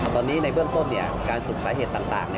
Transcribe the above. ตอนนี้ในเบื้องต้นการสืบสาเหตุต่าง